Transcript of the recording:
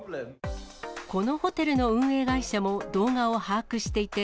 このホテルの運営会社も動画を把握していて、